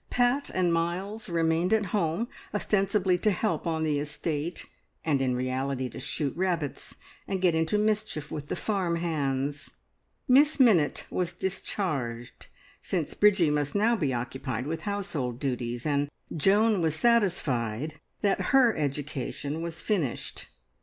Pat and Miles remained at home, ostensibly to help on the estate, and in reality to shoot rabbits and get into mischief with the farm hands. Miss Minnitt was discharged, since Bridgie must now be occupied with household duties, and Joan was satisfied that her education was finished.